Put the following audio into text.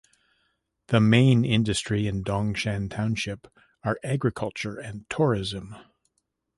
The main industry in Dongshan Township are agriculture and tourism.